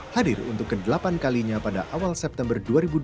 hadir untuk ke delapan kalinya pada awal september dua ribu dua puluh